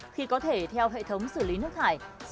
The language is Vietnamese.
khi có thể theo hệ thống xử lý nước thải